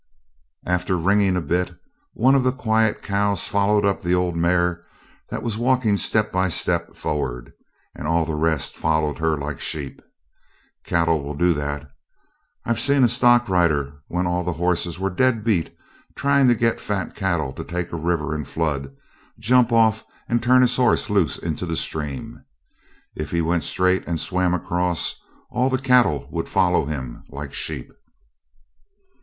After 'ringing' a bit, one of the quiet cows followed up the old mare that was walking step by step forward, and all the rest followed her like sheep. Cattle will do that. I've seen a stockrider, when all the horses were dead beat, trying to get fat cattle to take a river in flood, jump off and turn his horse loose into the stream. If he went straight, and swam across, all the cattle would follow him like sheep.